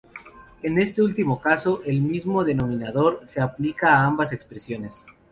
En este último caso, el mismo denominador se aplica a ambas expresiones.